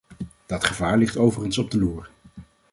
Dat gevaar ligt overigens op de loer.